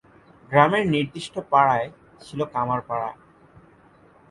গ্রামের নির্দিষ্ট পাড়ায় ছিল কামার পাড়া।